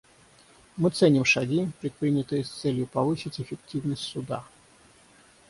Мы ценим шаги, предпринятые с целью повысить эффективность Суда.